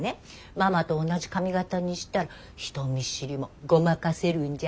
ママと同じ髪形にしたら人見知りもごまかせるんじゃないかって。